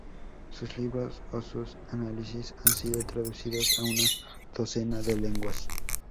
Sus libros o sus análisis han sido traducidos a una docena de lenguas.